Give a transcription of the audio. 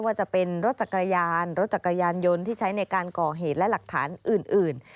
ว่าจะเป็นรถจักรยานรถจักรยานยนต์ที่ใช้ในการก่อเหตุและหลักฐานอื่น